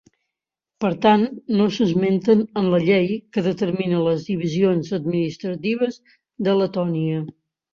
Per tant, no s'esmenten en la llei que determina les divisions administratives de Letònia.